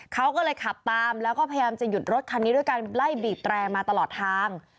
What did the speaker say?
เขาก็เลยขับตามแล้วก็พยายามจะหยุดรถคันนี้ด้วยการไล่บีบแตรมาตลอดทาง